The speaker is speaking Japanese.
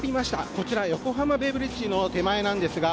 こちら横浜ベイブリッジの手前ですが